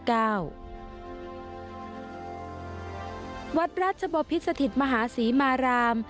วัดราชบพิษสถิตมหาศรีมาราม